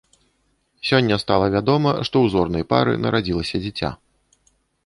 Сёння стала вядома, што ў зорнай пары нарадзілася дзіця.